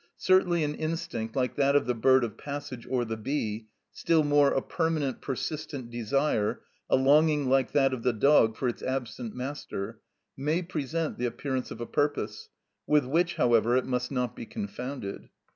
Certainly an instinct like that of the bird of passage or the bee, still more a permanent, persistent desire, a longing like that of the dog for its absent master, may present the appearance of a purpose, with which, however, it must not be confounded.